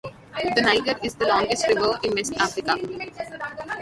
The Niger is the longest river in West Africa.